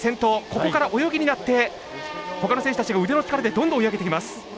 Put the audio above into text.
ここから泳ぎになってほかの選手たちが腕の力でどんどん追い上げてきます。